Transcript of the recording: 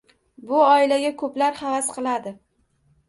Bu oilaga koʻplar havas qiladi